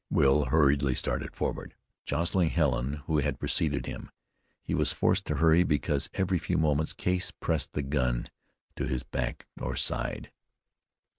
Will hurriedly started forward, jostling Helen, who had preceded him. He was forced to hurry, because every few moments Case pressed the gun to his back or side.